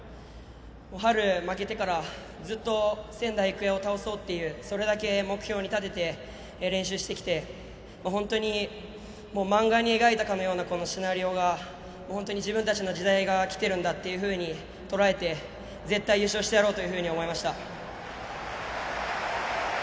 春、負けてから、ずっと仙台育英を倒そうっていうそれだけ目標に立てて練習してきて本当に漫画に描いたかのようなこのシナリオが本当に自分たちの時代がきてるんだっていうふうにとらえて絶対優勝してやろうというふうに思いました。